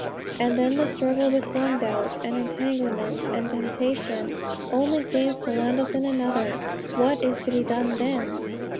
And then the struggle with one doubt, and entanglement, and temptation only seems to land us in another. What is to be done then?